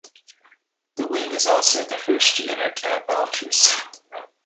The wing is also the host unit at Altus.